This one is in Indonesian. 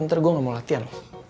ntar gue gak mau latihan